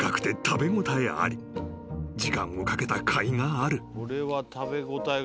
［時間をかけたかいがある］